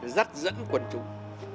giắt dẫn quần chúng